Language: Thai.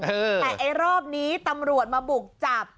แต่ไอ้รอบนี้ตำรวจมาบุกจับ